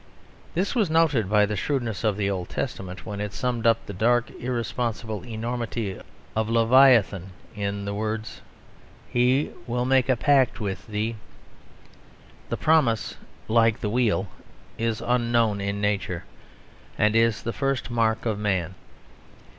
This was noted by the shrewdness of the Old Testament, when it summed up the dark irresponsible enormity of Leviathan in the words "Will he make a pact with thee?" The promise, like the wheel, is unknown in Nature: and is the first mark of man.